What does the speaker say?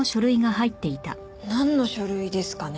なんの書類ですかね？